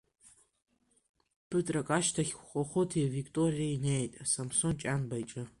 Ԥыҭрак ашьҭахь Хәыхәыти Виктории неит Самсон Ҷанба иҿы.